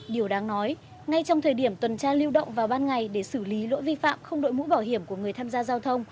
điều đáng nói ngay trong thời điểm tuần tra lưu động vào ban ngày để xử lý lỗi vi phạm không đội mũ bảo hiểm của người tham dự